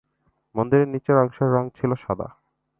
মন্দিরের নিচের অংশের রং ছিল সাদা।